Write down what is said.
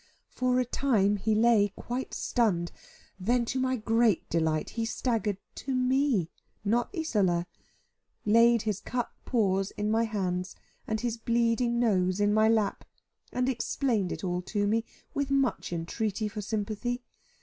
For a time he lay quite stunned; then to my great delight he staggered to me, not Isola, laid his cut paws in my hands and his bleeding nose in my lap, and explained it all to me with much entreaty for sympathy.